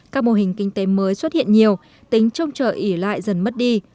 các mô hình kinh tế mới xuất hiện nhiều tính trông chờ ỉ lại dần mất đi